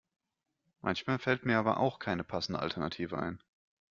Manchmal fällt mir aber auch keine passende Alternative ein.